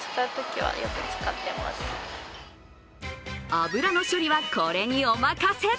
油の処理はこれにお任せ！